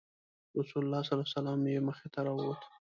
رسول الله صلی الله علیه وسلم یې مخې ته راووت.